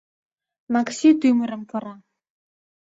Макси тӱмырым кыра.